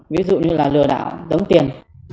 ví dụ như là lừa đảo đống tiền